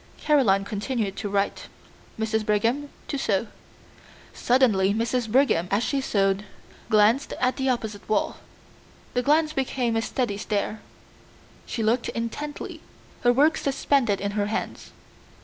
Caroline continued to write, Mrs. Brigham to sew. Suddenly Mrs. Brigham as she sewed glanced at the opposite wall. The glance became a steady stare. She looked intently, her work suspended in her hands.